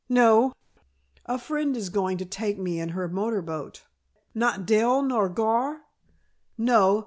"No; a friend is going to take me in her motor boat." "Not Dell, nor Gar?" "No.